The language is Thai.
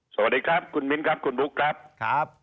สวัสดีครับคุณมิ้นครับคุณบุ๊คครับ